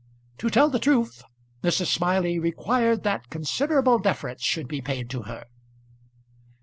To tell the truth, Mrs. Smiley required that considerable deference should be paid to her.